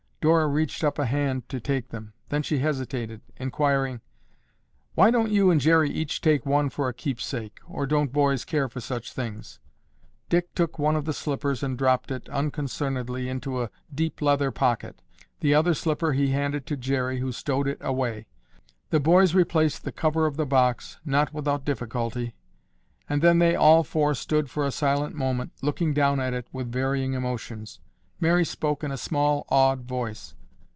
Dora reached up a hand to take them, then she hesitated, inquiring, "Why don't you and Jerry each take one for a keepsake, or don't boys care for such things?" Dick took one of the slippers and dropped it, unconcernedly, into a deep leather pocket. The other slipper he handed to Jerry who stowed it away. The boys replaced the cover of the box, not without difficulty, and then they all four stood for a silent moment looking down at it with varying emotions. Mary spoke in a small awed voice.